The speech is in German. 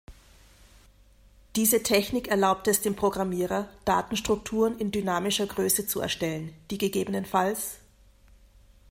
Diese Technik erlaubt es dem Programmierer, Datenstrukturen in dynamischer Größe zu erstellen, die ggf.